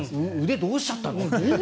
腕、どうしちゃったのって。